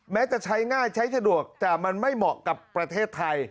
แม้จะใช้ง่ายใช้สะดวกแต่มันไม่เหมาะกับประเทศไทย